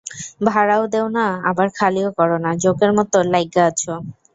ভাড়াও দেও না, আবার খালি ও করো না, জোঁকের মত লাইজ্ঞা আছো।